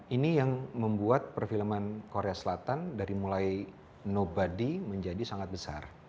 ini yang membuat perfilman korea selatan dari mulai nobody menjadi sangat besar